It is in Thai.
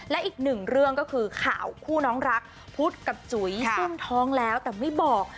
และอีกหนึ่งเรื่องก็คือข่าวคู่น้องรักพุทธกับจุ๋ยซุ่มท้องแล้วแต่ไม่บอก